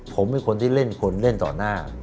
ผมเป็นคนที่เล่นคนเล่นต่อหน้า